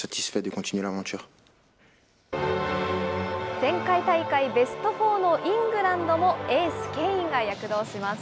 前回大会ベストフォーのイングランドもエース、ケインが躍動します。